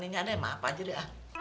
ini ada yang mah apa aja dah